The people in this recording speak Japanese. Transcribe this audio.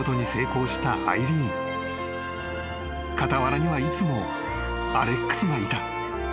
［傍らにはいつもアレックスがいた］